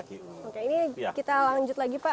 oke ini kita lanjut lagi pak